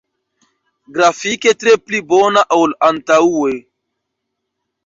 Grafike tre pli bona ol antaŭe.